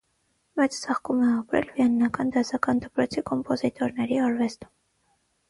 Մեծ ծաղկում է ապրել վիեննական դասական դպրոցի կոմպոզիտորների արվեստում։